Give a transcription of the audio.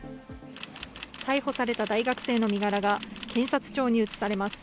逮捕された大学生の身柄が検察庁にうつされます。